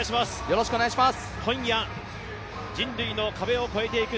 今夜、人類の壁を超えていく